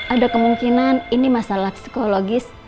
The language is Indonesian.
ada kemungkinan ini masalah psikologis